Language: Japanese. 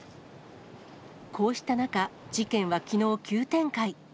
こうした中、事件はきのう、急展開。